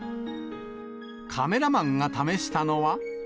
カメラマンが試したのは。